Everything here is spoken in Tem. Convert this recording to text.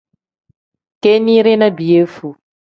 Kinide ni piyefuu.